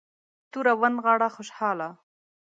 توره ونغاړه خوشحاله.